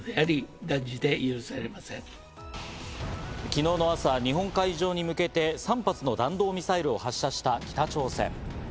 昨日の朝、日本海上に向けて３発の弾道ミサイルを発射した北朝鮮。